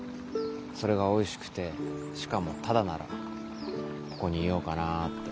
それがおいしくてしかもタダならここにいようかなって。